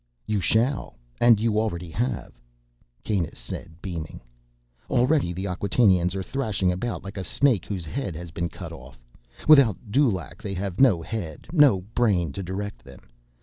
"You shall. And you already have," Kanus said, beaming. "Already the Acquatainians are thrashing about like a snake whose head has been cut off. Without Dulaq, they have no head, no brain to direct them.